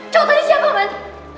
contohnya siapa man